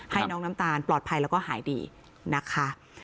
ให้น้องน้ำตาลปลอดภัยแล้วก็หายดีนะคะ